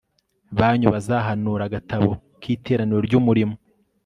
banyu bazahanura Agatabo k Iteraniro ry Umurimo